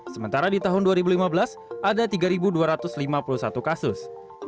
sementara di tahun dua ribu lima belas ada tiga dua ratus lima puluh satu kasus